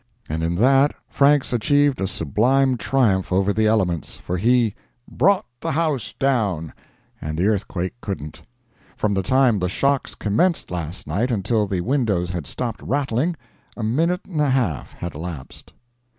And in that, Franks achieved a sublime triumph over the elements, for he "brought the house down," and the earthquake couldn't. From the time the shocks commenced last night, until the windows had stopped rattling, a minute and a half had elapsed.